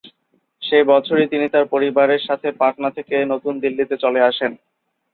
সে বছরই তিনি তার পরিবারের সাথে পাটনা থেকে নতুন দিল্লিতে চলে আসেন।